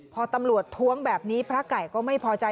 พอตำรวจท้วงแบบนี้พระไก่ก็ไม่พอใจ